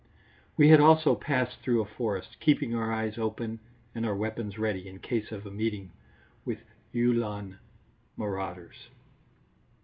We had also passed through a forest, keeping our eyes open and our weapons ready in case of a meeting with Uhlan marauders.